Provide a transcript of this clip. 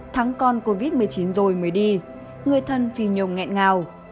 thắng con covid một mươi chín rồi mới đi người thân phi nhung ngẹn ngào